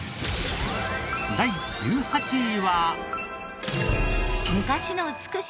第１８位は。